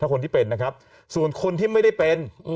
คนที่เป็นนะครับส่วนคนที่ไม่ได้เป็น